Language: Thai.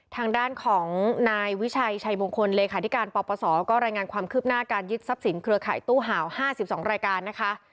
ทางด้านของนายวิชัยชัยมงคลเลขาธิการปปศก็รายงานความคืบหน้าการยึดทรัพย์สินเครือข่ายตู้ห่าว๕๒รายการนะคะ